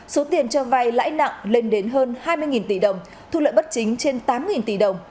số tiền cho vay lãi nặng lên đến hơn hai mươi tỷ đồng thu lợi bất chính trên tám tỷ đồng